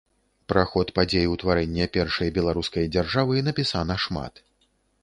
Пра ход падзей утварэння першай беларускай дзяржавы напісана шмат.